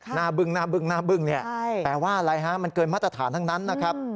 บึ้งหน้าบึ้งหน้าบึ้งเนี่ยแปลว่าอะไรฮะมันเกินมาตรฐานทั้งนั้นนะครับ